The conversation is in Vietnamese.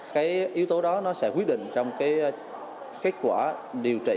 cái yếu tố đó sẽ quyết định trong kết quả điều trị